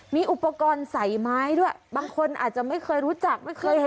มีอุปกรณ์ใส่ไม้ด้วยบางคนอาจจะไม่เคยรู้จักไม่เคยเห็น